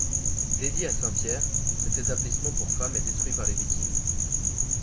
Dédié à saint Pierre, cet établissement pour femmes est détruit par les Vikings.